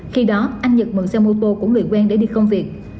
khi đó anh nhật mượn xe mô tô của người quen để đi công việc